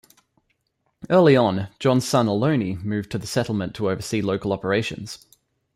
Early on, John's son Aloney moved to the settlement to oversee local operations.